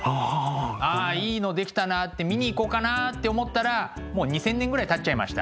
あいいの出来たなって見に行こうかなって思ったらもう２，０００年ぐらいたっちゃいました。